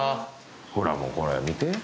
ほらもうこれ見て。